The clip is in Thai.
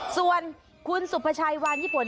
ส่วนคุณสุภาชัยวานญี่ปุ่น